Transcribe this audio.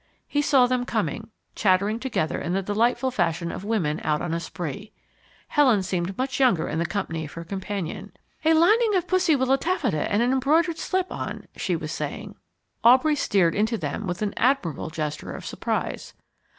He saw them coming, chattering together in the delightful fashion of women out on a spree. Helen seemed much younger in the company of her companion. "A lining of pussy willow taffeta and an embroidered slip on," she was saying. Aubrey steered onto them with an admirable gesture of surprise.